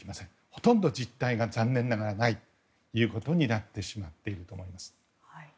ほとんど実態が残念ながら、ないということになってしまっていると思います。